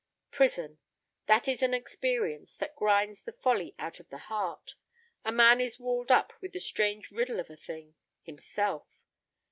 "Prison. That is an experience that grinds the folly out of the heart. A man is walled up with that strange riddle of a thing—himself.